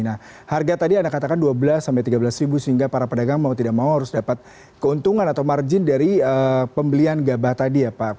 nah harga tadi anda katakan dua belas tiga belas sehingga para pedagang mau tidak mau harus dapat keuntungan atau margin dari pembelian gabah tadi ya pak